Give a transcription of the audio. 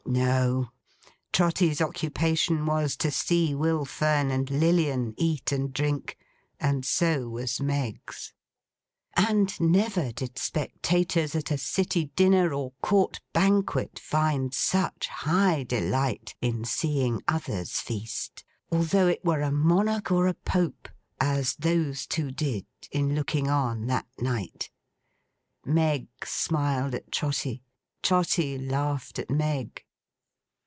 No. Trotty's occupation was, to see Will Fern and Lilian eat and drink; and so was Meg's. And never did spectators at a city dinner or court banquet find such high delight in seeing others feast: although it were a monarch or a pope: as those two did, in looking on that night. Meg smiled at Trotty, Trotty laughed at Meg.